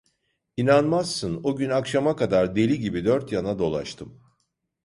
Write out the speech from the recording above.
İnanmazsın, o gün akşama kadar deli gibi dört yana dolaştım.